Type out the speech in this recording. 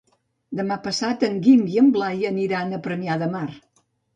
Demà passat en Guim i en Blai aniran a Premià de Mar.